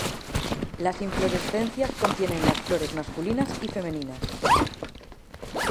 Las inflorescencias contienen las flores masculinas y femeninas.